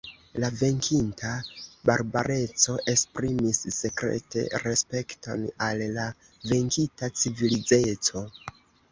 La venkinta barbareco esprimis sekrete respekton al la venkita civilizeco.